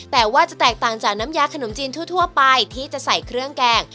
แต่ว่าจะแตกต่างจากน้ำยาขนมจีนทั่วไปที่จะใส่เครื่องแกง